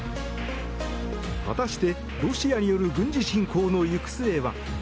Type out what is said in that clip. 果たして、ロシアによる軍事侵攻の行く末は。